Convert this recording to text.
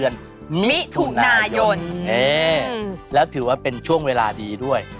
ที่ถือว่าเป็นช่วงเวลาดีด้วย